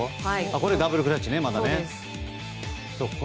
これ、ダブルクラッチね。